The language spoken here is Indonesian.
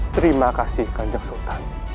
terima kasih kajak sultan